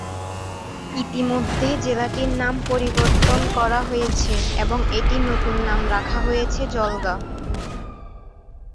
ইতিমধ্যে জেলাটির নাম পরিবর্তন করা হয়েছে এবং এটির নতুন নাম রাখা হয়েছে জলগা।